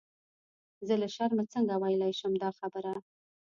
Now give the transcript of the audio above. زه له شرمه څنګه ویلای شم دا خبره.